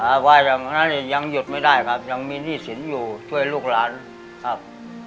ว่าอย่างนั้นยังหยุดไม่ได้ครับยังมีหนี้สินอยู่ช่วยลูกหลานครับ